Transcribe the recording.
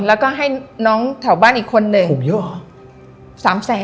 แล้วก็ให้น้องแถวบ้านอีกคนหนึ่งสูงเยอะเหรอ